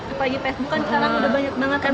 apalagi facebook kan sekarang udah banyak banget kan